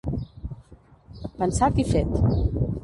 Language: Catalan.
Pensat i fet.